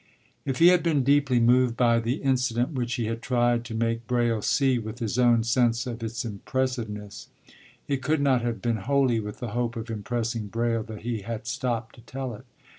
If he had been deeply moved by the incident which he had tried to make Braile see with his own sense of its impressiveness, it could not have been wholly with the hope of impressing Braile that he had stopped to tell it.